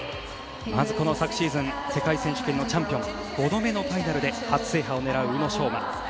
まず、この昨シーズン世界選手権のチャンピオン５度目のファイナルで初制覇を狙う宇野昌磨。